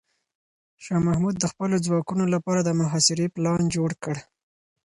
شاه محمود د خپلو ځواکونو لپاره د محاصرې پلان جوړ کړ.